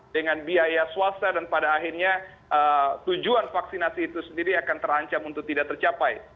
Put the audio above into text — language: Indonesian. dengan biaya swasta dan pada akhirnya tujuan vaksinasi itu sendiri akan terancam untuk tidak tercapai